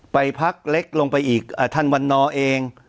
พักเล็กลงไปอีกท่านวันนอเอง